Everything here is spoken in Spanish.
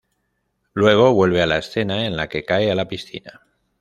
Luego vuelve a la escena en la que cae a la piscina.